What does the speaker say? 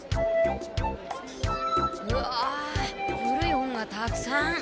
うわ古い本がたくさん！